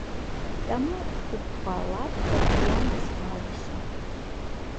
Таму ў палатках я наспалася.